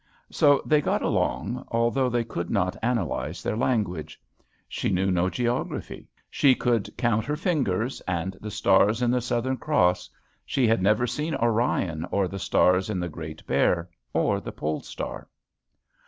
So they got along, although they could not analyze their language. She knew no geography. She could count her fingers, and the stars in the Southern Cross. She had never seen Orion, or the stars in the Great Bear, or the Pole Star.